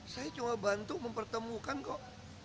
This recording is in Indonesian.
saya coba bantu mempertemukan kok